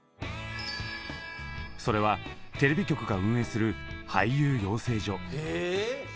それはテレビ局が運営する俳優養成所。